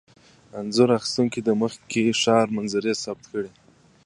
انځور اخیستونکي د مکې ښاري منظرې ثبت کړي.